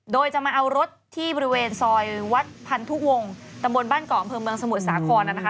โดยจะมาเอารถที่บริเวณซอยวัดพันธุวงศ์ตำบลบ้านเกาะอำเภอเมืองสมุทรสาครนะคะ